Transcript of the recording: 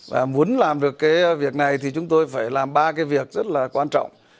và muốn làm được cái việc này thì chúng tôi phải làm ba cái việc rất là quan trọng